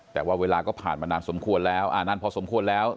แต่ว่าเวลาก็ผ่านมานานสมควรแล้วนานพอสมควรแล้ว